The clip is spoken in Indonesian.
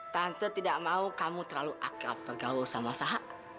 tante tidak mau kamu terlalu akal pegawai sama usaha